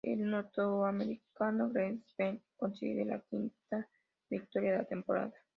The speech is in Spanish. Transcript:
El norteamericano Freddie Spencer consigue la quinta victoria de la temporada.